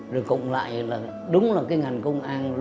rồi cộng lại là đúng là cái ngành công an